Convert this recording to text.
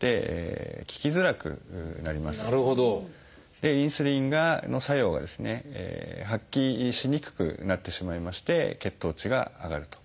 でインスリンの作用がですね発揮しにくくなってしまいまして血糖値が上がると。